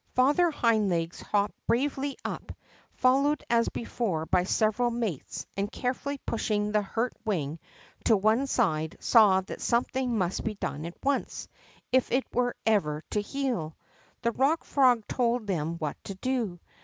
Father Hind Legs hopped bravely up, followed as before by several mates, and, carefully pushing the hurt wing to one side, saw that something must be done at once, if it was ever to heal. The Bock Frog told them what to do.